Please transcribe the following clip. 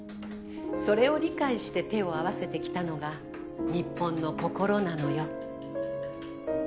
それを理解して手を合わせてきたのが日本の心なのよ。